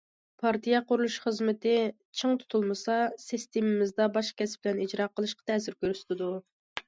پارتىيە قۇرۇلۇشى خىزمىتى چىڭ تۇتۇلمىسا، سىستېمىمىزدا باشقا كەسىپلەرنى ئىجرا قىلىشقا تەسىر كۆرسىتىدۇ.